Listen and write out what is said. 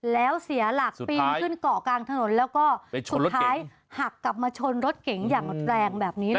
แล้วเสียหลักปีนขึ้นเกาะกลางถนนแล้วก็สุดท้ายหักกลับมาชนรถเก๋งอย่างแรงแบบนี้เลย